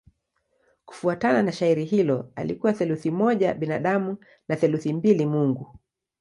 Kufuatana na shairi hilo alikuwa theluthi moja binadamu na theluthi mbili mungu.